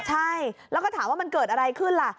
ใช่แล้วก็ถามว่ามันเกิดอะไรขึ้นล่ะ